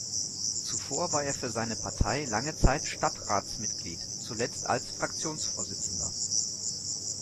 Zuvor war er für seine Partei lange Zeit Stadtratsmitglied, zuletzt als Fraktionsvorsitzender.